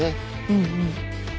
うんうん。